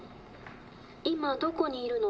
「今どこにいるの？」